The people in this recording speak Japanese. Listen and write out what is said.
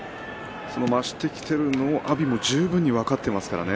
増してきているのも阿炎、十分に分かってますからね。